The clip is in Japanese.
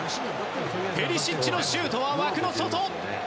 ペリシッチのシュートは枠の外。